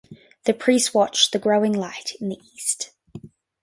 The priest watched the growing light in the east.